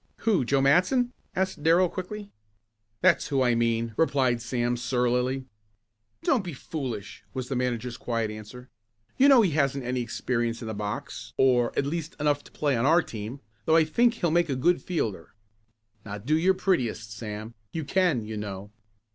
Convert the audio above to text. "Who, Joe Matson?" asked Darrell quickly. "That's who I mean," replied Sam surlily. "Don't be foolish," was the manager's quiet answer. "You know he hasn't had any experience in the box or at least enough to play on our team, though I think he'll make a good fielder. Now do your prettiest Sam. You can, you know."